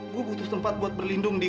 gue butuh tempat buat berlindung di